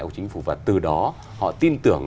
của chính phủ và từ đó họ tin tưởng